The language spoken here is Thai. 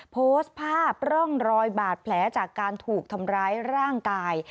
โพสต์ภาพร่องรอยบาดแผลจากการถูกทำร้ายร่างกาย